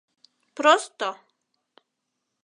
Просто.